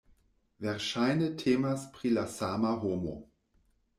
Verŝajne temas pri la sama homo.